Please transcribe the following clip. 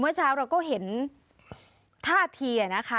เมื่อเช้าเราก็เห็นท่าทีนะคะ